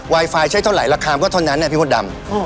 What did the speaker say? ไวไฟใช้เท่าไหร่ราคามก็เท่านั้นเนี่ยพี่พลดดำ